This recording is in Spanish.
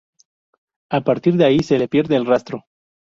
A partir de ahí se le pierde el rastro.